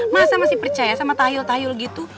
masa masih percaya sama tayul tayul gitu